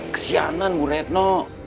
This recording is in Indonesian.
kesianan bu retno